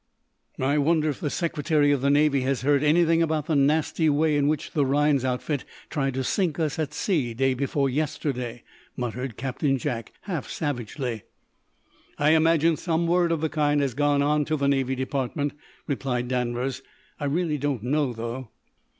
"I wonder if the Secretary of the Navy has heard anything about the nasty way in which the Rhinds outfit tried to sink us at sea day before yesterday?" muttered Captain Jack, half savagely. "I imagine some word of the kind has gone on to the Navy Department," replied Danvers, "I really don't know though."